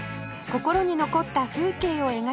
心に残った風景を描きます